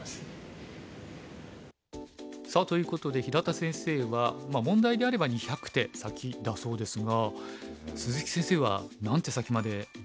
さあということで平田先生は問題であれば２００手先だそうですが鈴木先生は何手先まで実際のところ読んでるんでしょうね。